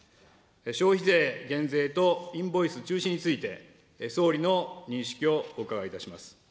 消費税減税とインボイス中止について、総理の認識をお伺いいたします。